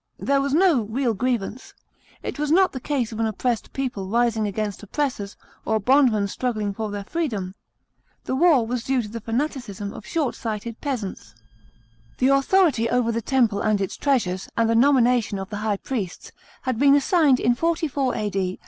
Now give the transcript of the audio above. There was no real grievance. It was not the case of an oppressed people rising against oppressors, or bondmen struggling for their freedom. The war was due to the fanaticism of short sighted peasants. The authority over the temple and its treasures, and the nomina tion of the high priests, had been assigned in 44 A.D.